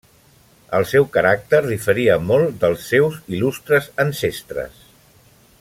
El seu caràcter diferia molt del dels seus il·lustres ancestres.